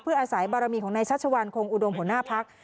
อาศัยบารมีของนายชัชวัลคงอุดมหัวหน้าพัก